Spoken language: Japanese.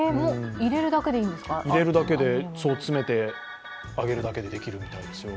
入れるだけで、詰めてあげるだけでできるみたいですよ。